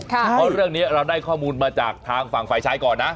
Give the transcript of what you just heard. เพราะเรื่องนี้เราได้ข้อมูลมาจากทางฝั่งฝ่ายชายก่อนนะ